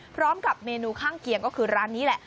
พร้อมกับเมนูข้างเคียงก็คือร้านนี้แหละ